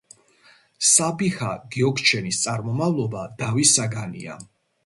საბიჰა გიოქჩენის წარმომავლობა დავის საგანია.